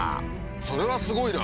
それはすごいな！